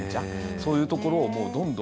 そういうところをもう、どんどん。